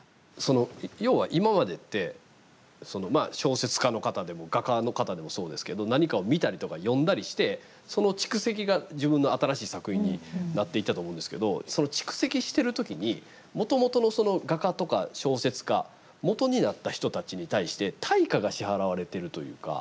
要は今までって小説家の方でも画家の方でもそうですけど何かを見たりとか読んだりしてその蓄積が自分の新しい作品になっていったと思うんですけどその蓄積してる時にもともとの、その画家とか小説家もとになった人たちに対して対価が支払われてるというか。